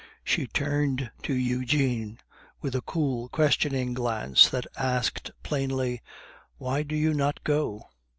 She turned to Eugene, with a cool, questioning glance that asked plainly, "Why do you not go?"